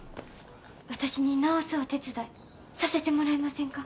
私に直すお手伝いさせてもらえませんか。